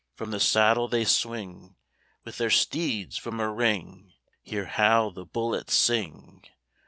From the saddle they swing, With their steeds form a ring (Hear how the bullets sing!)